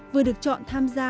vừa được chọn tham gia